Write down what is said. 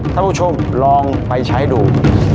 ท่านผู้ชมลองไปใช้ดู